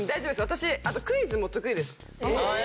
私あとクイズも得意です。